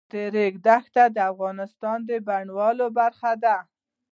د ریګ دښتې د افغانستان د بڼوالۍ برخه ده.